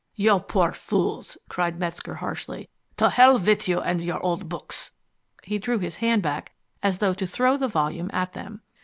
"You poor fools!" cried Metzger harshly. "To hell with you and your old books." He drew his hand back as though to throw the volume at them.